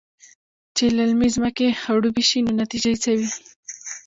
چې للمې زمکې خړوبې شي نو نتيجه يې څۀ وي؟